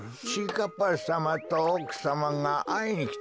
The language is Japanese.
かっぱさまとおくさまがあいにきてくれたぞ。